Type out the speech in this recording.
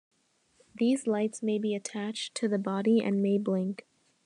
These lights may be attached to the body and may blink.